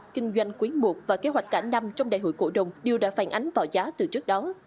kinh doanh cuối một và kế hoạch cả năm trong đại hội cổ đồng đều đã phản ánh vào giá từ trước đó